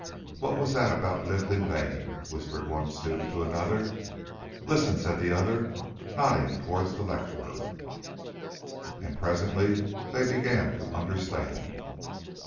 "What was that about 'lived in vain?'" whispered one student to another. "Listen," said the other, nodding towards the lecturer. And presently they began to understand.